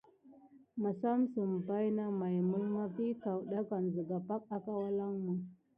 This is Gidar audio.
Məsamsəm baïna may mulma vi kawɗakan zəga pake akawalanmou.